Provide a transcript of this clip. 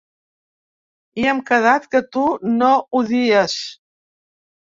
I hem quedat que tu no odies.